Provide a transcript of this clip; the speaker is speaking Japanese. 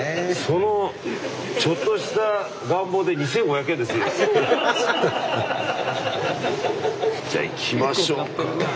そのちょっとした願望で２，５００円ですよ。ハハハ！じゃあいきましょうか。